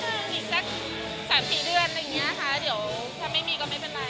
อุ๊ยมีแสดงสัก๓๔เดือนค่ะเดี๋ยวถ้าไม่มีก็ไม่เป็นไร